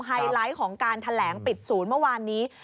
ไฮไลท์ของการแถลงปิดศูนย์เมื่อวานนี้